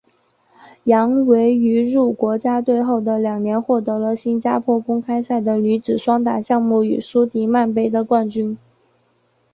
杨维于入国家队后的两年夺得了新加坡公开赛的女子双打项目与苏迪曼杯的冠军。